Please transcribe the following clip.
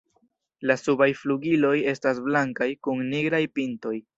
La subaj flugiloj estas blankaj kun nigraj pintoj.